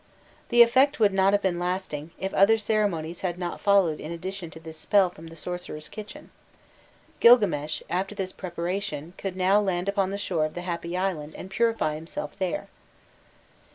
'" The effect would not have been lasting, if other ceremonies had not followed in addition to this spell from the sorcerer's kitchen: Gilgames after this preparation could now land upon the shore of the happy island and purify himself there.